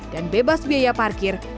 dan bebas biaya parkir juga berbeda